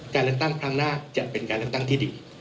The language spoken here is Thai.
การเลือกตั้งครั้งหน้าจะเป็นการเลือกตั้งที่ดี